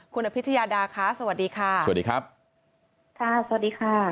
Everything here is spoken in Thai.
คุณอภิชยาดาคะสวัสดีค่ะสวัสดีครับค่ะสวัสดีค่ะ